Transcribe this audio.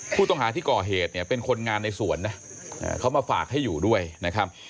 ผู้ต้องหาที่ก่อเหตุเนี่ยเป็นคนงานในสวนนะเขามาฝากให้อยู่ด้วยนะครับ